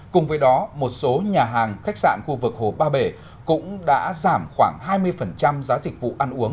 cùng với đó một số nhà hàng khách sạn khu vực hồ ba bể cũng đã giảm khoảng hai mươi giá dịch vụ ăn uống